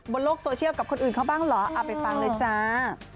บนโลกโซเชียลกับคนอื่นเขาบ้างเหรอเอาไปฟังเลยจ้า